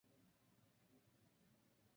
本游戏是一个纵向卷轴清版射击游戏。